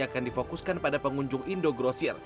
akan difokuskan pada pengunjung indo grocer